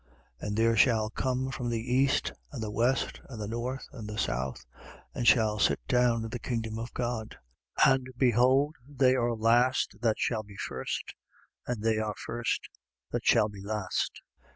13:29. And there shall come from the east and the west and the north and the south: and shall sit down in the kingdom of God. 13:30. And behold, they are last that shall be first: and they are first that shall be last.